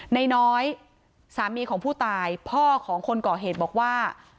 น้อยสามีของผู้ตายพ่อของคนก่อเหตุบอกว่า